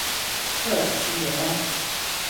出嚟食宵夜啦